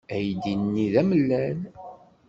Aydi-nni d amellal.